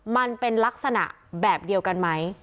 มันเป็นลักษณะแบบเดียวกันไหม